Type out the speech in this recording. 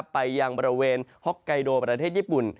ไปยังบริเวณฮอกไกโดประเทศญี่ปุ่น